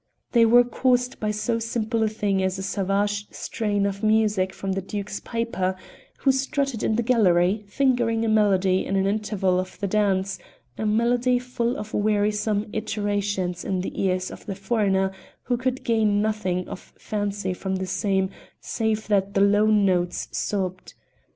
They were caused by so simple a thing as a savage strain of music from the Duke's piper, who strutted in the gallery fingering a melody in an interval of the dance a melody full of wearisome iterations in the ears of the foreigner, who could gain nothing of fancy from the same save that the low notes sobbed.